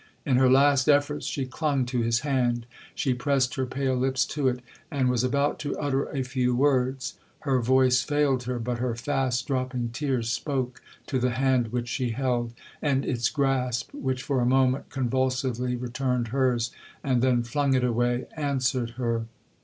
In her last efforts she clung to his hand—she pressed her pale lips to it, and was about to utter a few words—her voice failed her, but her fast dropping tears spoke to the hand which she held,—and its grasp, which for a moment convulsively returned hers, and then flung it away, answered her.